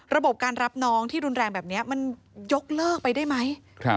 ระบบการรับน้องที่รุนแรงแบบนี้มันยกเลิกไปได้ไหม